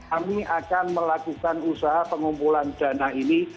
kami akan melakukan usaha pengumpulan dana ini